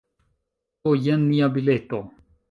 Do, jen nia bileto.